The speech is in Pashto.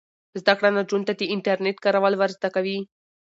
زده کړه نجونو ته د انټرنیټ کارول ور زده کوي.